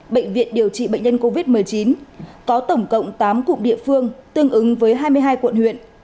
bệnh viện điều trị bệnh nhân covid một mươi chín có tổng cộng tám cụm địa phương tương ứng với hai mươi hai quận huyện